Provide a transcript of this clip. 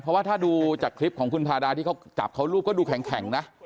เพราะว่าถ้าดูจากคลิปของคุณพาดาที่เขาจับเขารูปก็ดูแข็งนะ